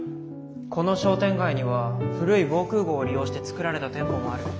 この商店街には古い防空ごうを利用して作られた店舗もある。